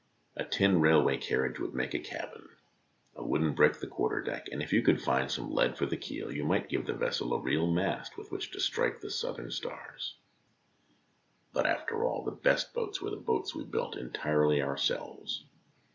A tin railway carriage would make a cabin, a wooden brick the quarter deck, and if you could find some lead for the keel you might give the vessel a real mast with which to strike the southern stars. 38 THE DAY BEFORE YESTERDAY But, after all, the best boats were the boats we built entirely ourselves.